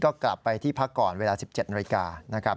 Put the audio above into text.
ก็กลับไปที่พักก่อนเวลา๑๗รายกา